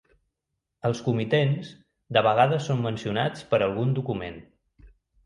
Els comitents de vegades són mencionats per algun document.